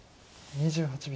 ２８秒。